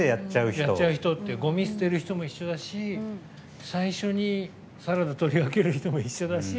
ごみ捨てる人も一緒だし最初のサラダ取り分ける人も一緒だし。